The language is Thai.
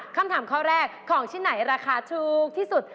คำถามข้อแรกของชิ้นไหนราคาถูกที่สุด